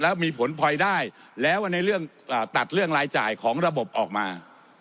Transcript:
แล้วมีผลพลอยได้แล้วในเรื่องตัดเรื่องรายจ่ายของระบบออกมา